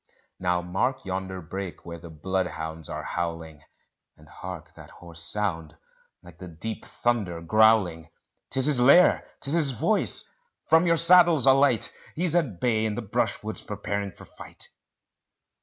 Now mark yonder brake where the bloodhounds are howling; And hark that hoarse sound like the deep thunder growling; 'Tis his lair 'tis his voice! from your saddles alight; He's at bay in the brushwood preparing for fight.